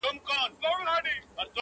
د تور مار له لاسه ډېر دي په ماتم کي -